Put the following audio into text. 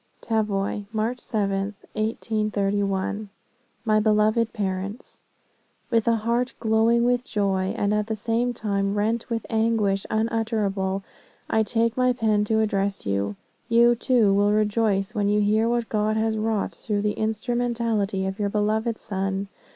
"Tavoy, March 7, 1831. "My beloved Parents, "With a heart glowing with joy, and at the same time rent with anguish unutterable, I take my pen to address you. You, too, will rejoice when you hear what God has wrought through the instrumentality of your beloved son.